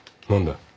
何だ。